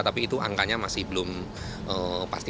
tapi itu angkanya masih belum pasti